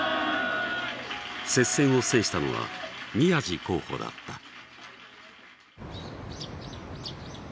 接戦を制したのは宮路候補だった。